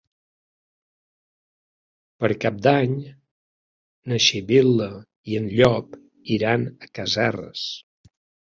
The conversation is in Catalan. Per Cap d'Any na Sibil·la i en Llop iran a Casserres.